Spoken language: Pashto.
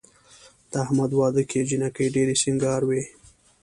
د احمد واده کې جینکۍ ډېرې سینګار وې.